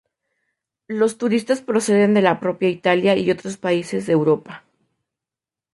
Los turistas proceden de la propia Italia y otros países de Europa.